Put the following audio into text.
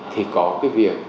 thì có cái việc